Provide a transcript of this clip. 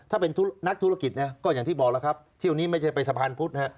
ถ้าเป็นนักธุรกิจนะก็อย่างที่บอกแล้วครับเที่ยวนี้ไม่ใช่ไปสะพานพุทธนะฮะ